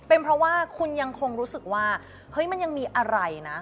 เป็นเพราะว่าคุณยังคงรู้สึกว่าเฮ้ยมันยังมีอะไรนะ